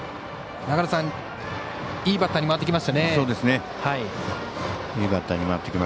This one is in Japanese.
いいバッターに回ってきましたね。